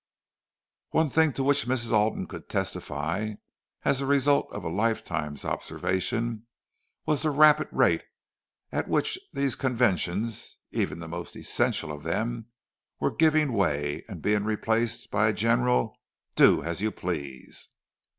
One thing to which Mrs. Alden could testify, as a result of a lifetime's observation, was the rapid rate at which these conventions, even the most essential of them, were giving way, and being replaced by a general "do as you please."